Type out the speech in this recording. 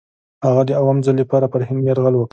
هغه د اووم ځل لپاره پر هند یرغل وکړ.